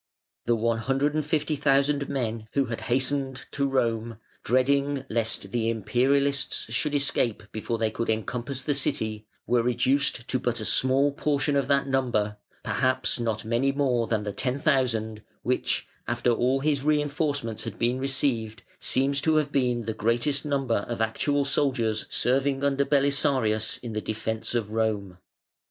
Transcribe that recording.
The 150,000 men who had hastened to Rome, dreading lest the Imperialists should escape before they could encompass the City, were reduced to but a small portion of that number, perhaps not many more than the 10,000 which, after all his reinforcements had been received, seems to have been the greatest number of actual soldiers serving under Belisarius in the defence of Rome.